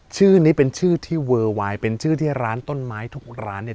ชื่อนี้เป็นชื่อที่เวอร์ไวน์เป็นชื่อที่ร้านต้นไม้ทุกร้านเนี่ย